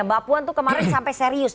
mbak puan tuh kemarin sampai serius